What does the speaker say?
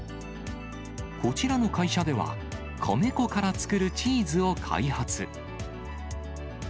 こちらの会社では、米粉から作るチーズを開発。